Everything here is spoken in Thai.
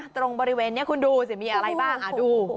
ตรงบริเวณนี้คุณดูสิมีอะไรบ้างดู